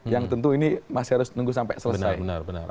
yang tentu ini masih harus menunggu sampai selesai